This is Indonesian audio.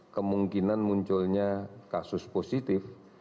kemungkinan munculnya kasus positif